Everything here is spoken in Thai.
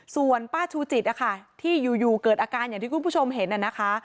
ส่วนป้าชูจิตนะคะที่อยู่เกิดอาการอย่างที่คุณผู้ชมเห็นน่ะนะคะ